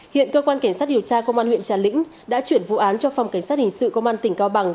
hiện cơ quan cảnh sát điều tra công an huyện trà lĩnh đã chuyển vụ án cho phòng cảnh sát hình sự công an tỉnh cao bằng